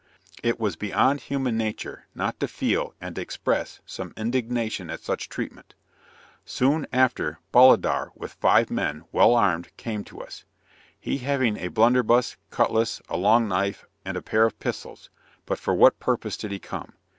It was beyond human nature not to feel and express some indignation at such treatment. Soon after, Bolidar, with five men, well armed, came to us; he having a blunderbuss, cutlass, a long knife and pair of pistols but for what purpose did he come?